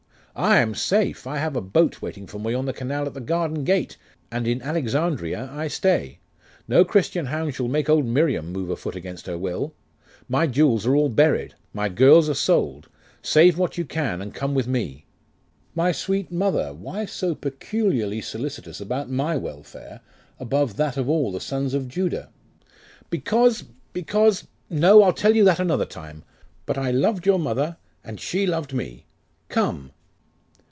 'I am safe. I have a boat waiting for me on the canal at the garden gate, and in Alexandria I stay; no Christian hound shall make old Miriam move afoot against her will. My jewels are all buried my girls are sold; save what you can, and come with me!' 'My sweet mother, why so peculiarly solicitous about my welfare, above that of all the sons of Judah?' 'Because because No, I'll tell you that another time. But I loved your mother, and she loved me. Come!